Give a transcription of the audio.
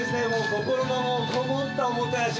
心のもうこもったおもてなし